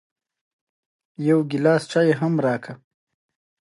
جان رالز هم پر مدني نافرمانۍ ټینګار کوي.